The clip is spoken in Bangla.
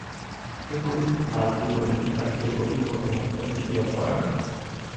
কিন্তু বাদ দিই বলে তার যে গভীর কর্ম তার কিছুই বাদ পড়ে না।